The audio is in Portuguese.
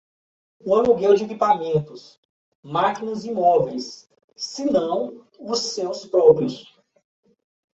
O aluguel de equipamentos, máquinas e móveis, se não os seus próprios.